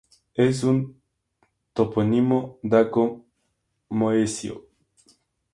Es un topónimo daco-moesio.